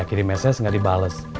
saya kirim mesej gak dibales